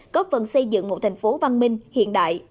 góp phần xây dựng một thành phố văn minh hiện đại